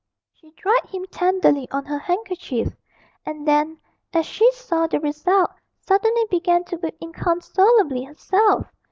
She dried him tenderly on her handkerchief, and then, as she saw the result, suddenly began to weep inconsolably herself.